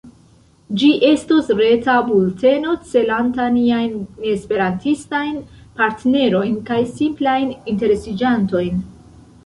Ĝi estos reta bulteno celanta niajn neesperantistajn partnerojn kaj simplajn interesiĝantojn.